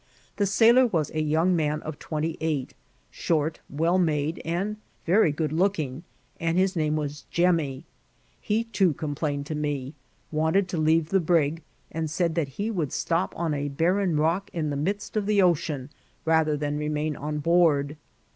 The sailor was a young man of twenty eight, short, well made, and very good looking, and his name was Jenmiy. He, too, ccxn {dained to me ; wanted to leave the brig, and said that he would stop on a barren rock in the midst of the ocean rather than remain on board.